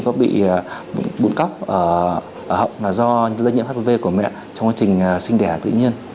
có bị bụng cóc ở họng là do lây nhiễm hpv của mẹ trong quá trình sinh đẻ tự nhiên